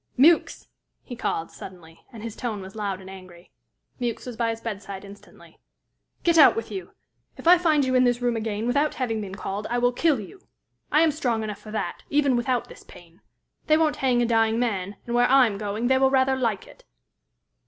"Mewks!" he called, suddenly, and his tone was loud and angry. Mewks was by his bedside instantly. "Get out with you! If I find you in this room again, without having been called, I will kill you! I am strong enough for that, even without this pain. They won't hang a dying man, and where I am going they will rather like it."